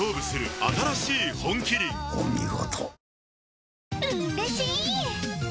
お見事。